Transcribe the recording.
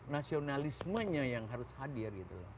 nasionalismenya yang harus hadir